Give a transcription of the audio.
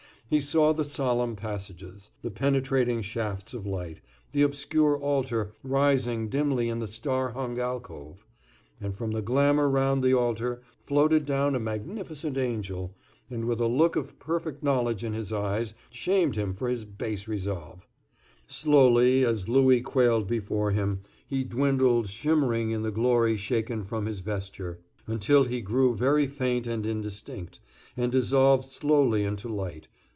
He saw the solemn passages, the penetrating shafts of light, the obscure altar rising dimly in the star hung alcove; and from the glamour round the altar floated down a magnificent angel, and with a look of perfect knowledge in his eyes shamed him for his base resolve. Slowly, as Louis quailed before him, he dwindled, shimmering in the glory shaken from his vesture, until he grew very faint and indistinct, and dissolved slowly into light.